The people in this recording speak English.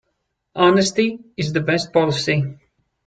Honesty is the best policy.